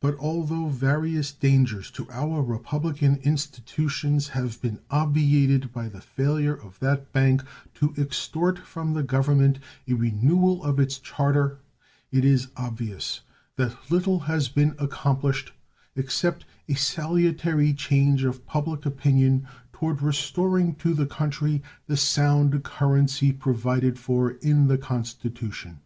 But although various dangers to our republican institutions have been obviated by the failure of that bank to extort from the Government a renewal of its charter, it is obvious that little has been accomplished except a salutary change of public opinion toward restoring to the country the sound currency provided for in the Constitution.